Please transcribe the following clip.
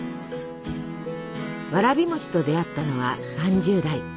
わらび餅と出会ったのは３０代。